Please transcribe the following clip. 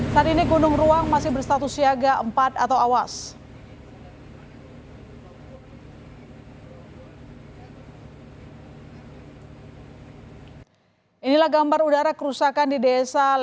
saat ini gunung ruang masih berstatus siaga empat atau awas